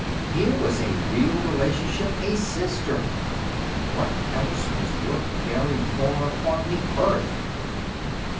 Here was a real relationship .... A sister! What else was worth caring for upon earth?